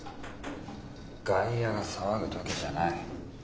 外野が騒ぐ時じゃない。